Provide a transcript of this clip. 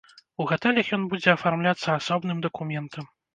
У гатэлях ён будзе афармляцца асобным дакументам.